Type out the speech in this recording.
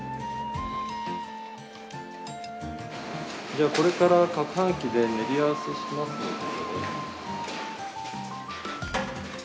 じゃあこれからかくはん機で練り合わせしますので。